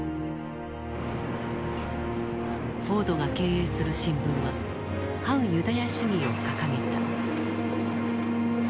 フォードが経営する新聞は反ユダヤ主義を掲げた。